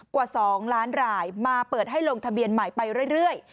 กว่า๒ล้านรายมาเปิดให้ลงทะเบียนใหม่ไปเรื่อย